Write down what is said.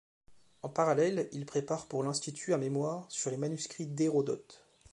En parallèle, il prépare pour l'Institut un mémoire sur les manuscrits d'Hérodote.